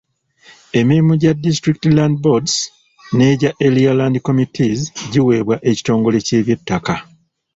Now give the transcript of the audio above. Emirimu gya District Land Boards n'egya Area Land Committees giweebwe ekitongole ky’eby'ettaka.